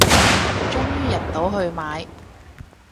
終於入到去買